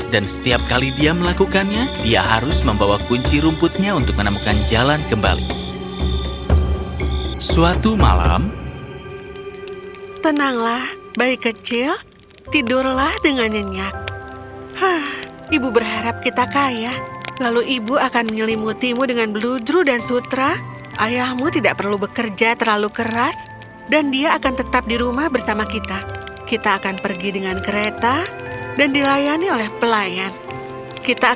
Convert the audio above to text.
dan setiap kali dia melakukannya dia harus membawa kunci rumputnya untuk menemukan jalan kembali